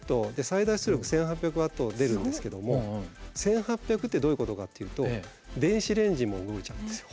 最大出力１，８００ワット出るんですけども１，８００ってどういうことかっていうと電子レンジも動いちゃうんですよ。